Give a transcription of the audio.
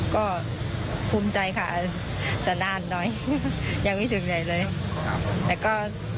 ก็ภูมิใจครับก็สนานหน่อยยังไม่ถึงในเลยแต่ก็ถนน่ะครับ